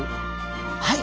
はい。